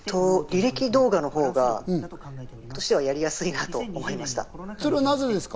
履歴動画のほうが僕としてはやりやすいなと思いました。